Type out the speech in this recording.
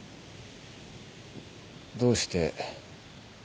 どうして。